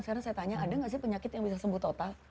sekarang saya tanya ada nggak sih penyakit yang bisa sembuh total